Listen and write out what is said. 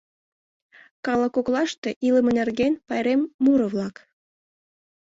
Калык коклаште илыме нерген пайрем муро-влак.